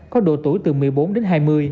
có độ tuổi từ một mươi bốn đến hai mươi